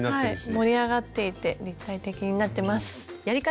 盛り上がっていて立体的になってます。